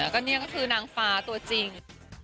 ก็นี่ก็คือนางฟ้าตัวจริง